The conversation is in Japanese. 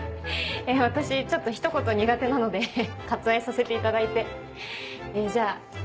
私ちょっとひと言苦手なので割愛させていただいてじゃあ。